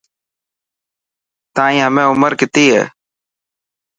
تائن همي عمر ڪتي هي.